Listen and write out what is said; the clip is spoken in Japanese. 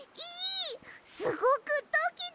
すごくドキドキした！